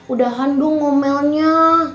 udah handuk ngomelnya